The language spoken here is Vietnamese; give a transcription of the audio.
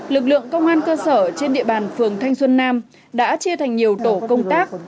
lực lượng công an cơ sở trên địa bàn phường thanh xuân nam đã chia thành nhiều tổ công tác